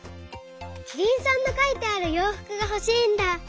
キリンさんのかいてあるようふくがほしいんだ！